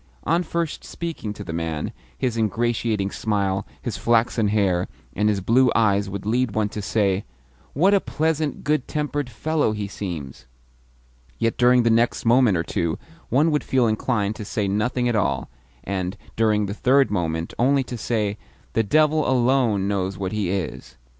On first speaking to the man, his ingratiating smile, his flaxen hair, and his blue eyes would lead one to say, "What a pleasant, good tempered fellow he seems!" yet during the next moment or two one would feel inclined to say nothing at all, and, during the third moment, only to say, "The devil alone knows what he is!"